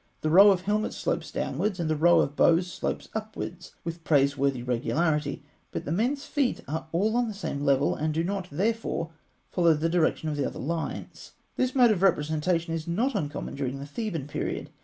The row of helmets slopes downwards, and the row of bows slopes upwards, with praiseworthy regularity; but the men's feet are all on the same level, and do not, therefore, follow the direction of the other lines (fig. 171). This mode of representation is not uncommon during the Theban period.